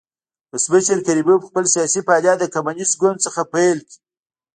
ولسمشر کریموف خپل سیاسي فعالیت د کمونېست ګوند څخه پیل کړ.